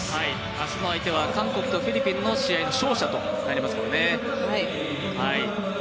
明日の相手は韓国とフィリピンの試合の勝者となりますからね。